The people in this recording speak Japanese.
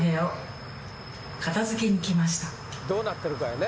どうなってるかやね。